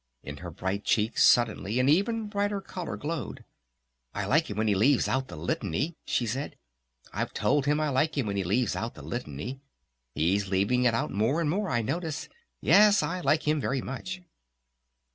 In her bright cheeks suddenly an even brighter color glowed. "I like him when he leaves out the Litany," she said. "I've told him I like him when he leaves out the Litany. He's leaving it out more and more I notice. Yes, I like him very much."